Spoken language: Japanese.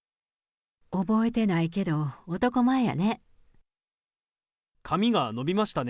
覚えてないけど、男前やね。